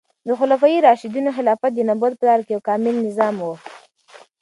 د خلفای راشدینو خلافت د نبوت په لاره یو کامل نظام و.